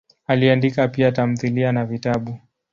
Aliandika pia tamthilia na vitabu.